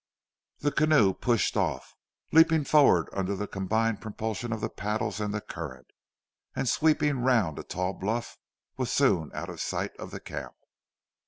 The canoe pushed off, leaping forward under the combined propulsion of the paddles and the current, and sweeping round a tall bluff was soon out of sight of the camp.